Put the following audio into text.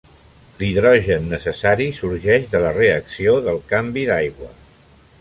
L'hidrogen necessari sorgeix de la reacció del canvi d'aigua.